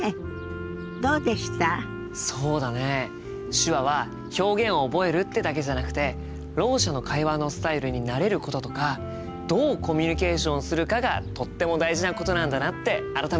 手話は表現を覚えるってだけじゃなくてろう者の会話のスタイルに慣れることとかどうコミュニケーションするかがとっても大事なことなんだなって改めて思ったよ。